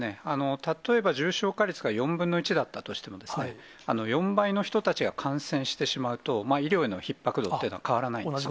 例えば重症化率が４分の１だったとしても、４倍の人たちが感染してしまうと、医療へのひっ迫度っていうのは変わらないんです。